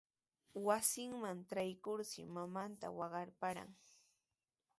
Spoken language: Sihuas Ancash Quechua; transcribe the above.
Wasinman traykurshi mamanta waqaparqan.